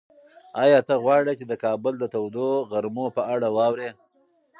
ایا ته غواړې چې د کابل د تودو غرمو په اړه واورې؟